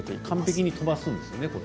完璧に飛ばすんですね。